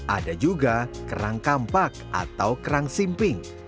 ada juga kerang kampak atau kerang simping